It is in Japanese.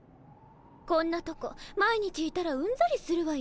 こんなとこ毎日いたらうんざりするわよ。